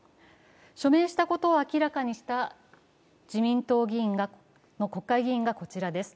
署名したことを明らかにした自民党の国会議員がこちらです。